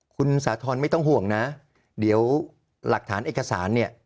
คุณสาธรณ์ไม่ต้องห่วงนะเดี๋ยวหลักฐานเอกสารเนี่ย